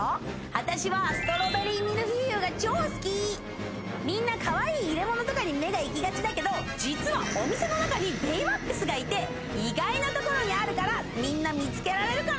私はストロベリーミルフィーユが超好きみんなかわいい入れ物とかに目が行きがちだけど実は意外なところにあるからみんな見つけられるかな？